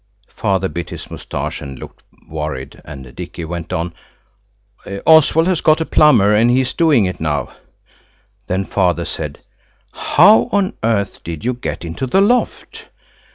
Father bit his moustache and looked worried, and Dicky went on– "Oswald has got a plumber and he is doing it now." Then Father said, "How on earth did you get into the loft?"